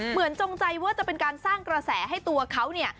จงใจว่าจะเป็นการสร้างกระแสให้ตัวเขาเนี่ย